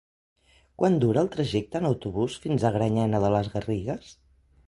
Quant dura el trajecte en autobús fins a Granyena de les Garrigues?